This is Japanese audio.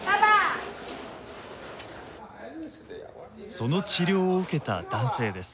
その治療を受けた男性です。